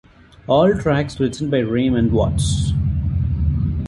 All tracks written by Raymond Watts.